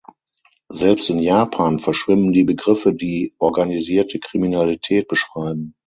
Selbst in Japan verschwimmen die Begriffe, die organisierte Kriminalität beschreiben.